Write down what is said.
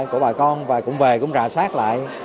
của bà con và cũng về cũng rà soát lại